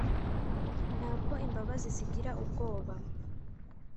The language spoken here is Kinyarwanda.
ntabwo imbabazi zigira ubwoba